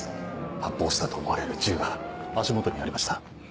発砲したと思われる銃が足元にありました。